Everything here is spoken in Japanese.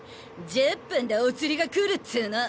１０分でおつりがくるっつの！